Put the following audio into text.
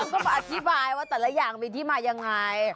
ก็มาอธิบายว่าแต่ละอย่างมีที่มายังไง